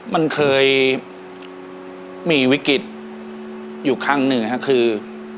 มันเคยมีวิกฤตอยู่ครั้งหนึ่งค่ะคือ